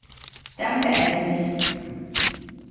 Danke, Elvis!